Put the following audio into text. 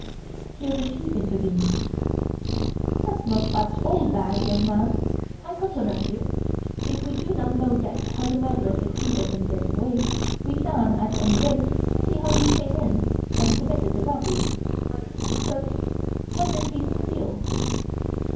Here the Chief intervened. "That's not at all bad, young man. I compliment you. If we do not know yet how the murderer succeeded in getting away, we can at any rate see how he came in and committed the robbery. But what did he steal?"